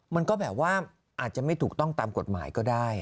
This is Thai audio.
มันก็แบบว่าอาจจะไม่ถูกต้องตามกฎหมายก็ได้